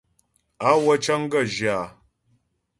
Awə̂ cəŋ gaə̂ zhyə áa.